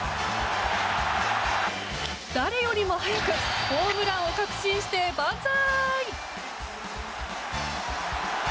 誰よりも早くホームランを確信して万歳！